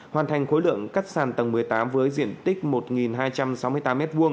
hoàn thành khối lượng cắt sàn tầng một mươi tám với diện tích một hai trăm sáu mươi tám m hai